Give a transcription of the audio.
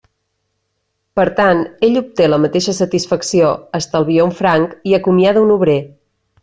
Per tant, ell obté la mateixa satisfacció, estalvia un franc i acomiada un obrer.